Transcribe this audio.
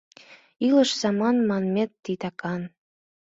Илыш саман манмет титакан.